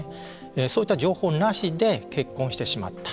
そういった情報なしで結婚してしまった。